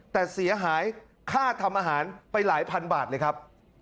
แต่เสียหายค่าทำอาหารไปหลายพันบาทเลยครับ